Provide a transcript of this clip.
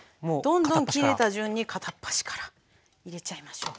どんどん切れた順に片っ端から入れちゃいましょう。